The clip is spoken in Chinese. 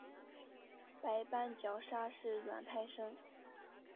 白斑角鲨是卵胎生的。